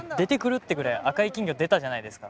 ってぐらい赤い金魚出たじゃないですか。